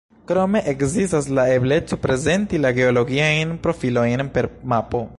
Krome ekzistas la ebleco prezenti la geologian profilon per mapo.